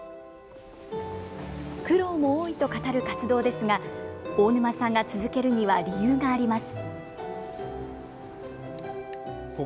苦労も多いと語る活動ですが大沼さんが続けるには理由があります。